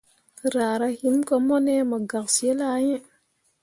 Raara him ko mone mu gak zilah iŋ.